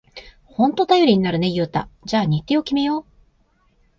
ほんと頼りになるね、ユウタ。じゃあ日程を決めよう！